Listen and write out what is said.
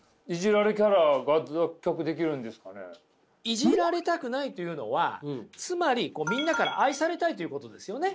イジられたくないというのはつまりみんなから愛されたいということですよね。